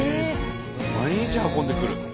毎日運んでくる。